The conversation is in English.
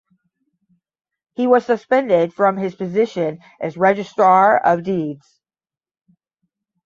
He was suspended from his position as Registrar of Deeds.